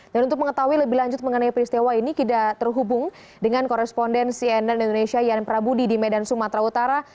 dan untuk mengetahui lebih lanjut mengenai peristiwa ini kita terhubung dengan koresponden cnn indonesia yan prabudi di medan sumatera utara